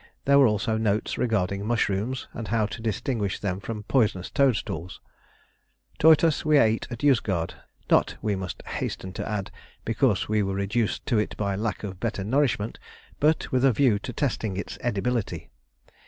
There were also notes regarding mushrooms, and how to distinguish them from poisonous toadstools. Tortoise we ate at Yozgad, not, we must hasten to add, because we were reduced to it by lack of better nourishment, but with a view to testing its edibility.